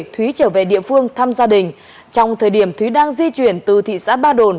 thúy trở về địa phương thăm gia đình trong thời điểm thúy đang di chuyển từ thị xã ba đồn